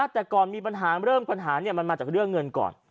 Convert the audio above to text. แต่ก่อนมีปัญหาเริ่มปัญหามันมาจากเรื่องเงินก่อน